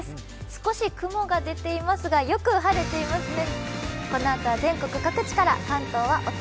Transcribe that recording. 少し雲が出ていますが、よく晴れていますね。